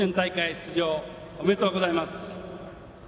出場おめでとうございます。